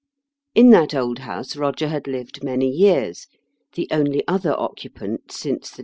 In that old house Koger had lived many years, the only other occupant, since the